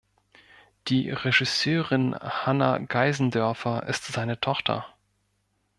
Die Regisseurin Hana Geißendörfer ist seine Tochter.